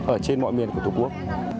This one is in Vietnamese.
ở trên mọi miền của tổ quốc